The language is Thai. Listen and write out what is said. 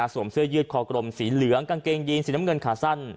เสื้อยืดคอกลมสีเหลืองกางเกงยีนสีน้ำเงินขาสั้น